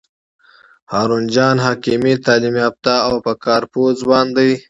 هارون جان حکیمي تعلیم یافته او په کار پوه ځوان دی.